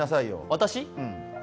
私？